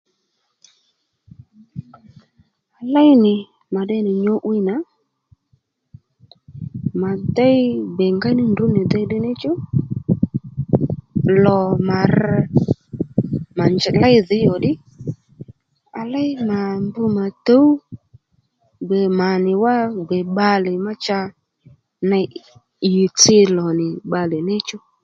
À léy nì mà tde nì nyǔ'wiy nà mà déy gbè ngéy ní ndrǔ nì dey ddiy níchú lò mà rr mà njèy léy dhǐy ò ddí à ley mà mbrr mà tǔw gbè mà nì wá gbe bbalè ma cha ney ì nì tsǐ lò nì bbalè ní chú